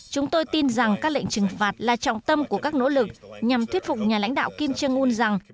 chúng tôi tin rằng các lệnh trừng phạt là trọng tâm của các nỗ lực nhằm thuyết phục nhà lãnh đạo kim jong un rằng